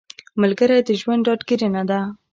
ملګری د ژوند ډاډګیرنه ده